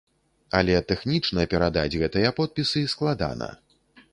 Але тэхнічна перадаць гэтыя подпісы складана.